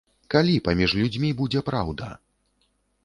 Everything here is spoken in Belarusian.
Калі паміж людзьмі будзе праўда?